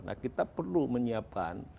nah kita perlu menyiapkan